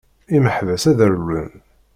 Imeḥbas ad rewwlen!